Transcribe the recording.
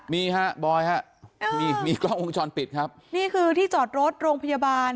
นี่ฮะบอยฮะมีมีกล้องวงจรปิดครับนี่คือที่จอดรถโรงพยาบาล